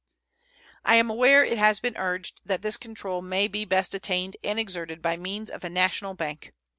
I am aware it has been urged that this control may be best attained and exerted by means of a national bank.